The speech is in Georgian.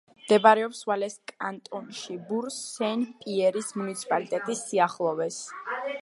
მდებარეობს ვალეს კანტონში, ბურ-სენ-პიერის მუნიციპალიტეტის სიახლოვეს.